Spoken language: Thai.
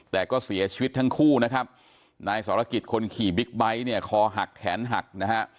แต่ก็เสียชีวิตทั้งคู่นะครับนายสรกิจคนขี่บิ๊กไบท์เนี่ยคอหักแขนหักนะฮะ